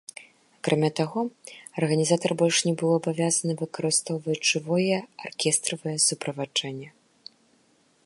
Акрамя таго, арганізатар больш не быў абавязаны выкарыстоўваць жывое аркестравае суправаджэнне.